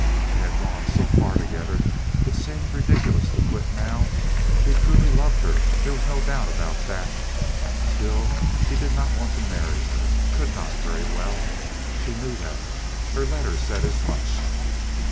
They had gone so far together it seemed ridiculous to quit now. He truly loved her—there was no doubt of that. Still he did not want to marry her—could not very well. She knew that. Her letter said as much.